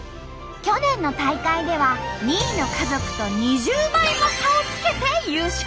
去年の大会では２位の家族と２０倍も差をつけて優勝！